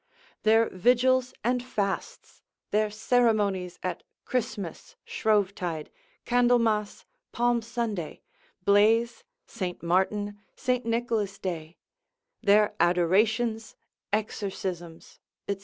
Their vigils and fasts, their ceremonies at Christmas, Shrovetide, Candlemas, Palm Sunday, Blaise, St. Martin, St. Nicholas' day; their adorations, exorcisms, &c.